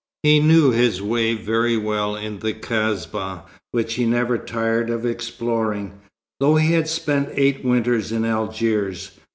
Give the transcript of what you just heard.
He knew his way very well in the Kasbah, which he never tired of exploring, though he had spent eight winters in Algiers.